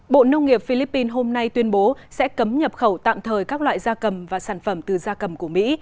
bộ nông nghiệp philippines hôm nay tuyên bố sẽ cấm nhập khẩu tạm thời các loại da cầm và sản phẩm từ da cầm của mỹ